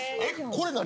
これ何？